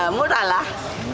ya mudah lah